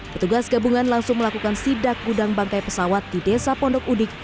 petugas gabungan langsung melakukan sidak gudang bangkai pesawat di desa pondok udik